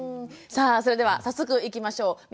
さあそれでは早速いきましょう。